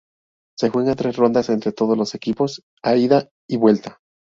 Se juegan tres rondas entre todos los equipos, a ida y vuelta.